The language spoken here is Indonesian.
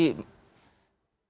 terus terang tidak match